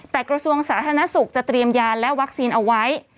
แต่กระทรวงสาธารณสุขจะเตรียมยาและวัคซีนเอาไว้